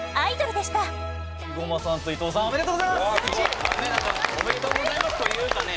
伊東：おめでとうございますというかね